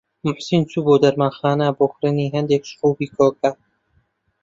موحسین چوو بۆ دەرمانخانە بۆ کڕینی هەندێک شرووبی کۆکە.